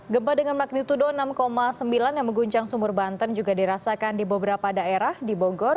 gempa dengan magnitudo enam sembilan yang mengguncang sumur banten juga dirasakan di beberapa daerah di bogor